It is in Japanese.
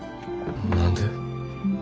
何で。